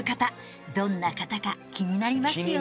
どんな方か気になりますよね？